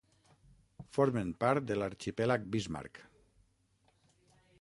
Formen part de l'Arxipèlag Bismarck.